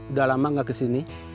udah lama gak kesini